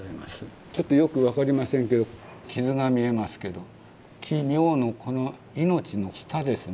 ちょっとよく分かりませんけど傷が見えますけど「帰命」のこの「命」の下ですね。